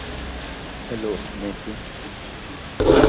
Hello, ম্যেসি।